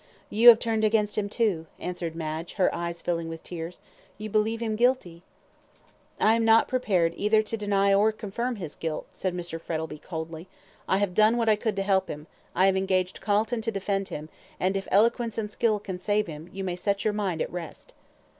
"You have turned against him, too," answered Madge, her eyes filling with tears. "You believe him guilty." "I am not prepared either to deny or confirm his guilt," said Mr. Frettlby, coldly. "I have done what I could to help him I have engaged Calton to defend him, and, if eloquence and skill can save him, you may set your mind at rest."